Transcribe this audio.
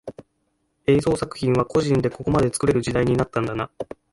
映像作品は個人でここまで作れる時代になったんだな